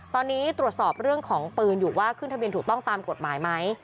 ตอนนี้ตรวจสอบเรื่องของปืนอยู่ว่าขึ้นทะเบียนถูกต้องตามกฎหมายไหม